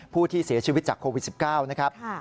ผู้ที่เสียชีวิตจากโควิด๑๙นะครับ